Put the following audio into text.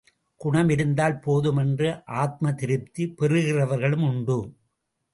குணம் இருந்தால் போதும் என்று ஆத்மதிருப்தி பெறுகிறவர்களும் உண்டு.